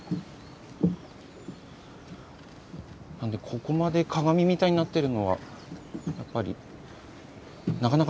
ここまで鏡みたいになってるのはやっぱりなかなかないです。